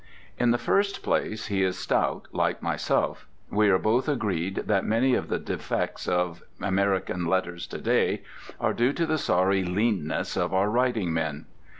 In the first place, he is stout, like myself. We are both agreed that many of the defects of American letters to day are due to the sorry leanness of our writing men.